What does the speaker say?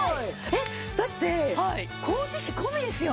えっだって工事費込みですよね？